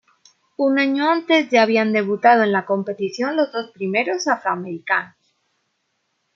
Un año antes ya habían debutado en la competición los dos primeros afroamericanos.